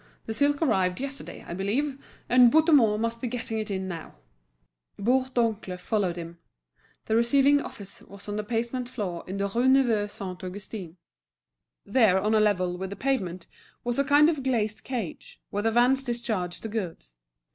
The silk arrived yesterday, I believe, and Bouthemont must be getting it in now." Bourdoncle followed him. The receiving office was on the basement floor, in the Rue Neuve Saint Augustin. There, on a level with the pavement, was a kind of glazed cage, where the vans discharged the goods.